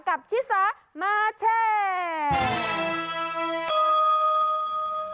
กับชิสามาร์แชร์